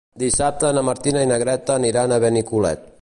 Dissabte na Martina i na Greta aniran a Benicolet.